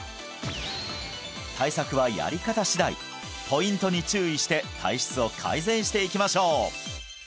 対策はやり方しだいポイントに注意して体質を改善していきましょう